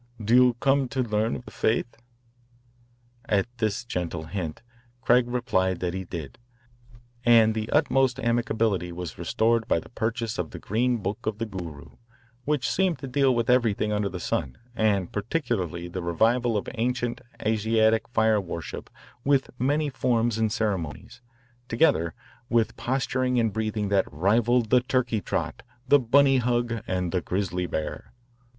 Do you come to learn of the faith?" At this gentle hint Craig replied that he did, and the utmost amicability was restored by the purchase of the Green Book of the Guru, which seemed to deal with everything under the sun, and particularly the revival of ancient Asiatic fire worship with many forms and ceremonies, together with posturing and breathing that rivalled the "turkey trot," the "bunny hug," and the "grizzly bear."